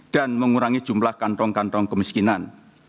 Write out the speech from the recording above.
dan mengurangi jumlah kantong kantong kemiskinan